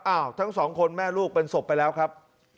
ทั้งสองคนแม่ลูกเป็นศพไปแล้วครับ